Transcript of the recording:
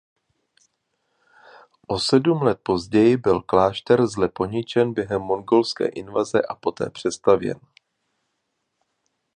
O sedm let později byl klášter zle poničen během mongolské invaze a poté přestavěn.